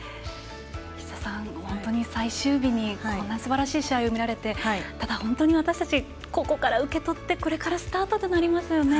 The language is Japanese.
本当に最終日にこんなにすばらしい試合を見られてただ本当に私たちここから受け取ってこれからスタートとなりますね。